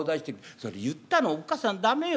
それ言ったの『おっかさん駄目よ